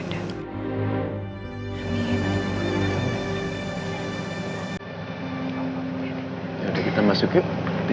yaudah kita cik keadaan masjid